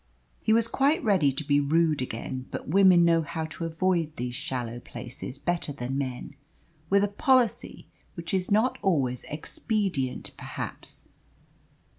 He was quite ready to be rude again, but women know how to avoid these shallow places better than men, with a policy which is not always expedient perhaps.